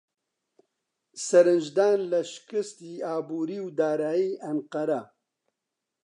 سەرنجدان لە شکستی ئابووری و دارایی ئەنقەرە